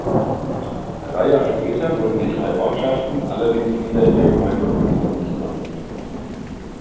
Drei Jahre später wurden die drei Ortschaften allerdings wieder in der Gemeinde Mühlhausen zusammengeführt.